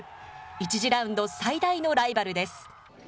１次ラウンド最大のライバルです。